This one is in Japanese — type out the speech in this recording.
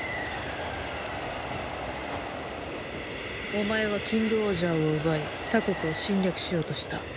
お前はキングオージャーを奪い他国を侵略しようとした。